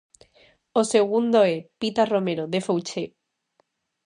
O segundo é "Pita Romero, de Fouché".